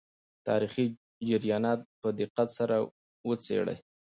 تاریخي جریانات په دقت سره وڅېړئ.